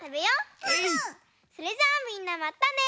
それじゃあみんなまたね！